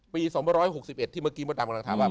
ปี๒๖๑ที่เมื่อกี้เบาดามกำลังถามว่า